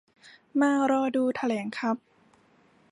มารอดูแถลงครับ